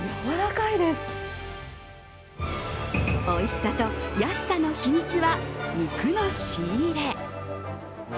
おいしさと安さの秘密は肉の仕入れ。